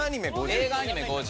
映画・アニメ５０。